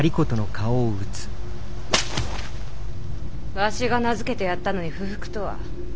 わしが名付けてやったのに不服とは。